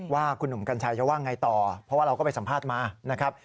ว่าคุณหนุ่มกัญชัยจะว่าไงต่อเพราะว่าเราก็ไปสัมภาษณ์มานะครับ